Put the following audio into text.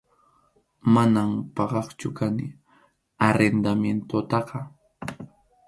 Manam pagaqchu kani arrendamientotaqa.